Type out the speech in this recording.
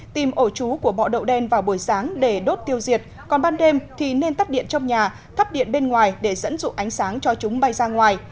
tìm ổ chú của bọ đậu đen vào buổi sáng để đốt tiêu diệt còn ban đêm thì nên tắt điện trong nhà tắt điện bên ngoài để dẫn dụ ánh sáng cho chúng bay ra ngoài